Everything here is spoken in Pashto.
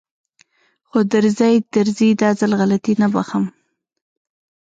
خو درځي درځي دا ځل غلطي نه بښم.